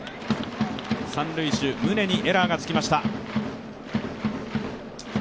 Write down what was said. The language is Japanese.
三塁手、宗にエラーがつきました。